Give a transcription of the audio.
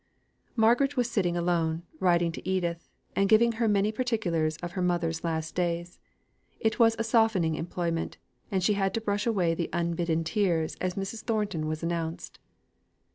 Margaret was sitting alone, writing to Edith, and giving her many particulars of her mother's last days. It was a softening employment, and she had to brush away the unbidden tears as Mrs. Thornton was announced.